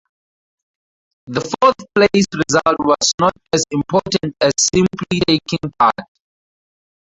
The fourth-place result was not as important as simply taking part.